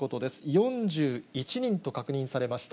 ４１人と確認されました。